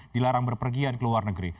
dilarang berpergian ke luar negeri